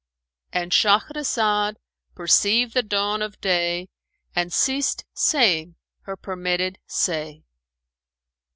"—And Shahrazad perceived the dawn of day and ceased saying her permitted say.